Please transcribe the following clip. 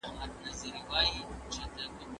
بهرنی سیاست د هیواد د سیاسي بریا لپاره اړین دی.